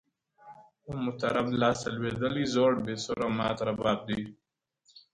د مطرب لاس ته لوېدلی زوړ بې سوره مات رباب دی؛